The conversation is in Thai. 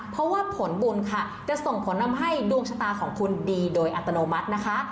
เพราะว่าผลบุญค่ะจะส่งผลทำให้ดวงชะตาของคุณดีโดยอัตโนมัตินะคะ